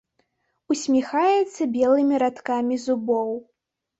Усміхаецца белымі радкамі зубоў.